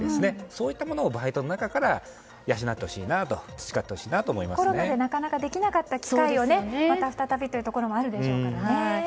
そういったものをバイトの中から養ってほしいなとコロナでなかなかできなかった機会をまた再びというところもあるでしょうからね。